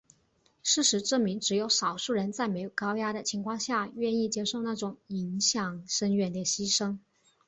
事实证明只有少数人在没有高压的情况下愿意接受那种影响深远的牺牲。